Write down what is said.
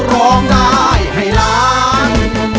ร้องได้ให้ล้าน